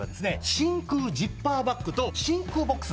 真空ジッパーバッグと真空ボックス